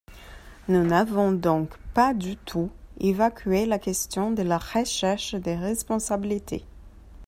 Nous n’avons donc pas du tout évacué la question de la recherche de responsabilité.